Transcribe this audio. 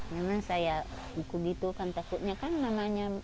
memang saya buku gitu kan takutnya kan namanya